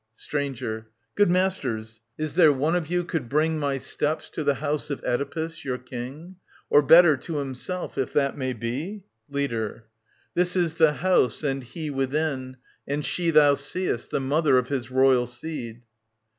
Stranger. Good masters, is there one of you could bring My steps to the house of Oedipus, your King ? Or, better, to himself if that may be ? Leader. This is the house and he within ; and she Thou seest, the mother of his royal seed.